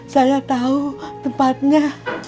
saya tahu tempatnya